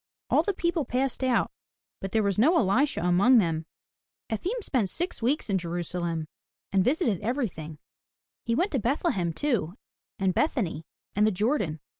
All the people passed out, but there was no Elisha among them. Efim spent six weeks in Jerusalem, and visited everything. He went to Bethlehem too, and Bethany, and the Jordan.